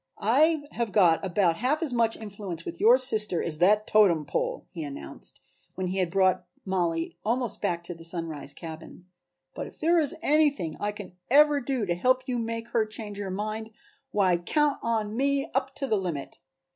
"I have got about half as much influence with your sister as that totem pole," he announced, when he had brought Mollie almost back to the Sunrise cabin, "but if there is anything I can ever do to help you make her change her mind, why count on me up to the limit.